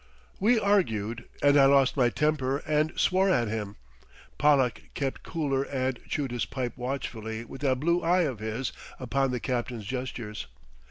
We argued and I lost my temper and swore at him. Pollack kept cooler and chewed his pipe watchfully with that blue eye of his upon the captain's gestures.